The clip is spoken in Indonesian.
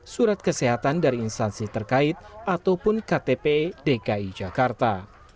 surat kesehatan dari instansi terkait ataupun ktp dki jakarta